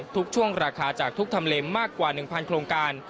ทุกช่วงราคาจากทุกทำเลมากกว่า๑๐๐โครงการ